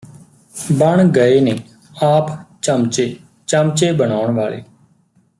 ਬਣ ਗਏ ਨੇ ਆਪ ਚਮਚੇ ਚਮਚੇ ਬਨਾਉਣ ਵਾਲੇ